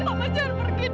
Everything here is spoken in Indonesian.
papa jangan pergi pak